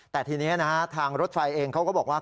แต่ทีนี้ทางรถไฟเองเขาก็บอกว่า